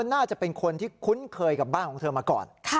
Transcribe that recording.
น่าจะเป็นคนที่คุ้นเคยกับบ้านของเธอมาก่อน